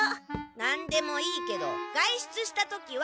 何でもいいけど外出した時は。